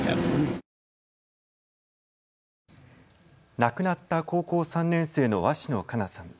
亡くなった高校３年生の鷲野花夏さん。